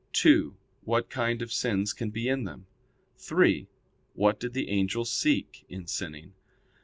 (2) What kind of sins can be in them? (3) What did the angel seek in sinning?